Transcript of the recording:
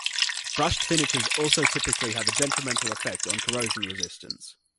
Brushed finishes also typically have a detrimental effect on corrosion resistance.